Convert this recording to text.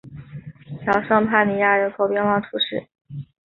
小尚帕尼亚人口变化图示